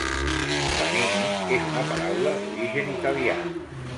"Panini" és una paraula d'origen italià.